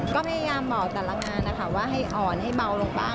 ก็พยายามบอกแต่ละงานนะคะว่าให้อ่อนให้เบาลงบ้าง